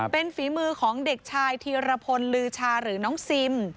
เป็นฝีมือของเด็กชายธีรพลลือชาหรือน้องซิม